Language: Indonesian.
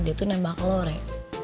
dia tuh nembak lo re